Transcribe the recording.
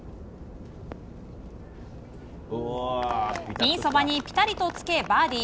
ピンそばにぴたりとつけバーディー。